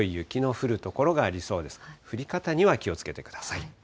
降り方には気をつけてください。